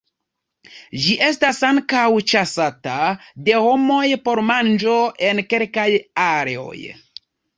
Ĝi estas ankaŭ ĉasata de homoj por manĝo en kelkaj areoj.